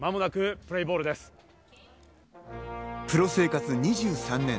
プロ生活２３年。